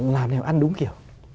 làm thế nào ăn đúng kiểu